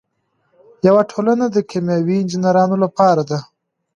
یوه ټولنه د کیمیاوي انجینرانو لپاره ده.